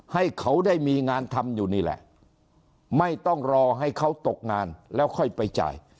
ให้เขาได้มีงานทำอยู่นี่แหละไม่ต้องรอให้เขาตกงานแล้วค่อยไปจ่าย